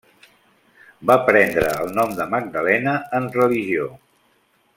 Va prendre el nom de Magdalena en Religió.